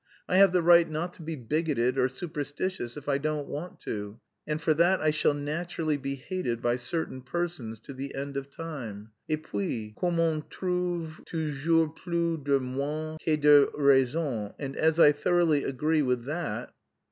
I have the right not to be bigoted or superstitious if I don't wish to, and for that I shall naturally be hated by certain persons to the end of time. Et puis, comme on trouve toujours plus de moines que de raison, and as I thoroughly agree with that..."